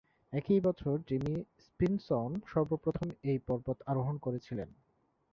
একই বছর Jimmy Simpson সর্বপ্রথম এই পর্বত আরোহণ করেছিলেন।